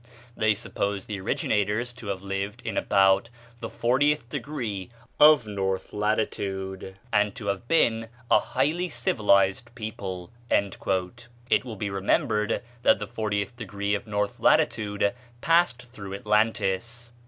They suppose the originators to have lived in about the fortieth degree of north latitude, and to have been a highly civilized people." It will be remembered that the fortieth degree of north latitude passed through Atlantis.